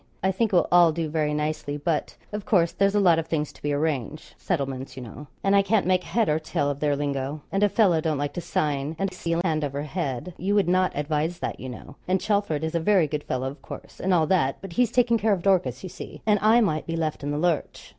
I think it will all do very nicely; but, of course, there's a lot of things to be arranged settlements, you know and I can't make head or tail of their lingo, and a fellow don't like to sign and seal hand over head you would not advise that, you know; and Chelford is a very good fellow, of course, and all that but he's taking care of Dorcas, you see; and I might be left in the lurch.'